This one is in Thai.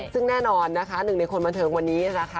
ซึ่งแน่นอนนะคะหนึ่งในคนบันเทิงวันนี้นะคะ